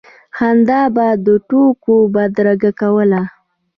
خندا به د ټوکو بدرګه کوله.